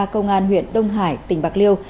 công an huyện đông hải tỉnh bạc liêu